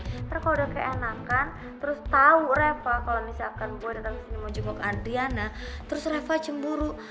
ntar kalo udah keenakan terus tau reva kalo misalkan boy dateng ke sini mau jenguk adriana terus reva cemburu